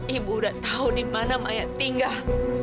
ibu udah tahu di mana mayat tinggal